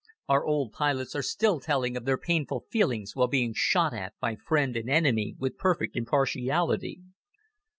Our old pilots are still telling of their painful feelings while being shot at by friend and enemy with perfect impartiality.